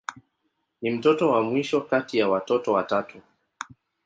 Ni mtoto wa mwisho kati ya watoto watatu.